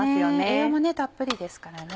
栄養もねたっぷりですからね。